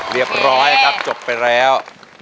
เรียบร้อยครับจบไปแล้ว